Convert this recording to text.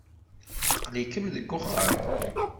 Aql-ikem deg uxxam.